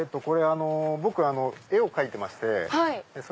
僕絵を描いてまして。